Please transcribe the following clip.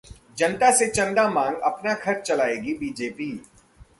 जनता से चंदा मांग अपना खर्च चलाएगी बीजेपी